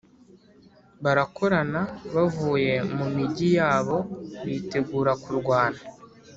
barakorana bavuye mu migi yabo bitegura kurwana